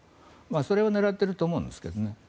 それを狙っていると思うんですけどね。